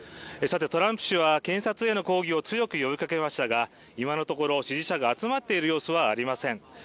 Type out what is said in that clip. トランプ氏は検察への抗議を強く呼びかけましたが、今のところ支持者が集まっている様子はありません。